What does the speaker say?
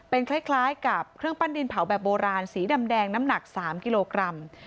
คล้ายกับเครื่องปั้นดินเผาแบบโบราณสีดำแดงน้ำหนัก๓กิโลกรัม